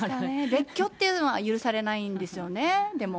別居っていうのは許されないんですよね、でも。